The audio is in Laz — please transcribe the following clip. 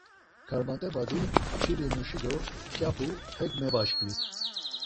Karmat̆e badi, çili muşi do mǩyapu hek mebaşkvit.